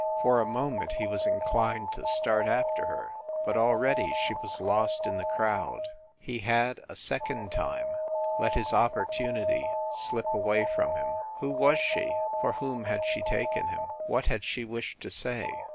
For a moment he was inclined to start after her but already she was lost in the crowd. He had, a second time, let his opportunity THE CAXTON DINING ROOM 151 slip away from him. Who was she? For whom had she taken him ? What had she wished to say